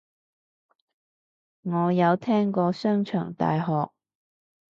我有聽過商場大學